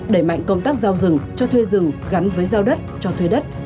đẩy mạnh công tác giao rừng cho thuê rừng gắn với giao đất cho thuê đất